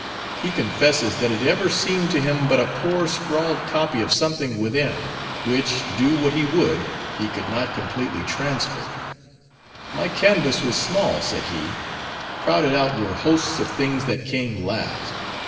He confesses, that it ever seemed to him but a poor scrawled copy of something within, which, do what he would, he could not completely transfer. "My canvas was small," said he; "crowded out were hosts of things that came last.